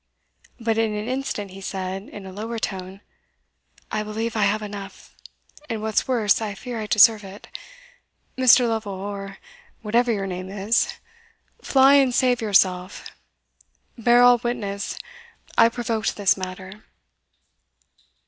But in an instant he said, in a lower tone, "I believe I have enough and what's worse, I fear I deserve it. Mr. Lovel, or whatever your name is, fly and save yourself Bear all witness, I provoked this matter."